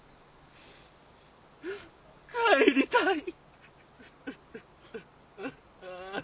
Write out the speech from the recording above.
帰りたい。